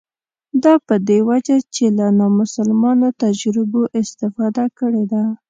دا په دې وجه چې له نامسلمانو تجربو استفاده کړې ده.